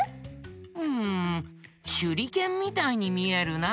んしゅりけんみたいにみえるな。